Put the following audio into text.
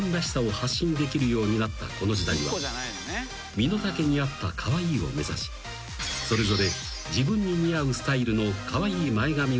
［身の丈に合ったカワイイを目指しそれぞれ］